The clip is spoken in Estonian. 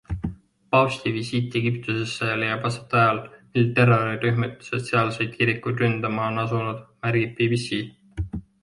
Paavsti visiit Egiptusesse leiab aset ajal, mil terrorirühmitused sealseid kirikuid ründama on asunud, märgib BBC.